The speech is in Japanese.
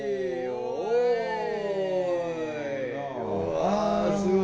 あー、すごい。